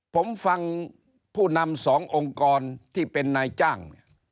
ผมฟังผู้นำสององค์กรที่เป็นนายจ้างเนี่ย